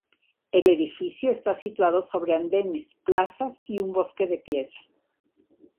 El edificio está situado sobre andenes, plazas y un bosque de piedra.